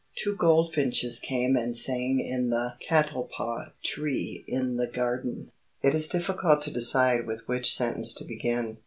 Two goldfinches came and sang in the catalpa tree in the garden.... It is difficult to decide with which sentence to begin.